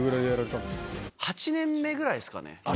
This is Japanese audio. ８年目ぐらいですかね。